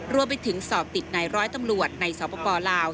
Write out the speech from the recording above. รวมไปถึงสอบติดในร้อยตำรวจในสปลาว